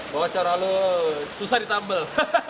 bocor halus susah ditambel